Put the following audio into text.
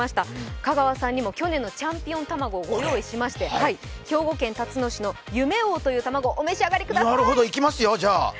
香川さんにも去年のチャンピオン卵を御用意しまして兵庫県たつの市の夢王という卵、お召し上がりください。